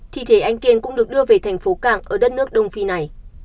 thị thể anh kiên cũng được đưa về thành phố cảng ở đất nước